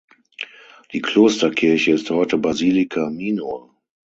Die Klosterkirche ist heute Basilica minor.